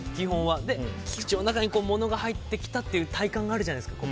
口の中に物が入ってきたっていう体感があるじゃないですか。